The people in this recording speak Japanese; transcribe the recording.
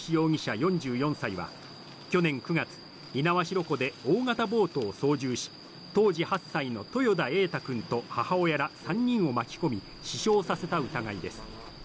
４４歳は、去年９月、猪苗代湖で大型ボートを操縦し、当時８歳の豊田瑛大君と母親ら３人を巻き込み、死傷させた疑いです。